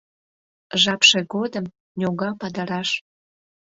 Жапше годым, — ньога падыраш, —